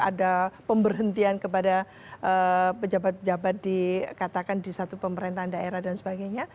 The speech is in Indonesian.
ada pemberhentian kepada pejabat pejabat dikatakan di satu pemerintahan daerah dan sebagainya